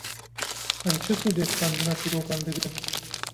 Em çi sûdê ji xwendina çîrokan digrin?